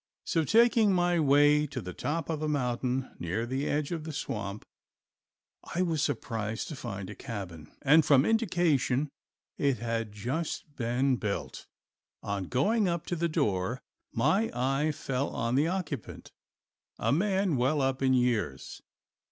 So taking my way to the top of the mountain near the edge of the swamp, I was surprised to find a cabin, and from indication it had just been built. On going up to the door my eye fell on the occupant, a man well up in years.